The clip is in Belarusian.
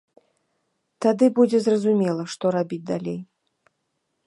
Тады будзе зразумела, што рабіць далей.